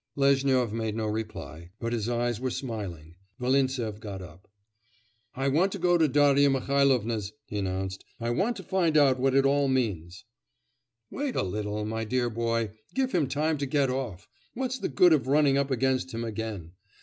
Lezhnyov made no reply, but his eyes were smiling. Volintsev got up. 'I want to go to Darya Mihailovna's,' he announced. 'I want to find out what it all means.' 'Wait a little, my dear boy; give him time to get off. What's the good of running up against him again?